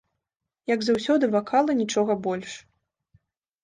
Як заўсёды вакал і нічога больш.